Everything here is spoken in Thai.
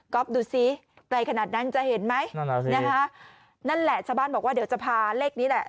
ก๊อบดูซิใกล้ขนาดนั้นจะเห็นไหมนั่นแหละชาวบ้านบอกว่าเดี๋ยวจะพาเลขนี้แหละ